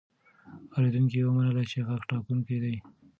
اورېدونکي ومنله چې غږ ټاکونکی دی.